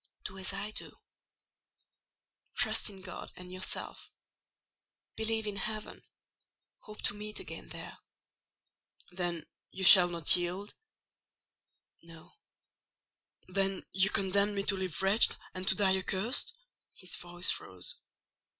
"Do as I do: trust in God and yourself. Believe in heaven. Hope to meet again there." "Then you will not yield?" "No." "Then you condemn me to live wretched and to die accursed?" His voice rose.